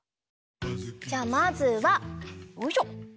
じゃあまずはよいしょ。